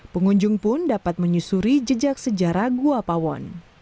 pengunjung pun dapat menyusuri jejak sejarah gua pawon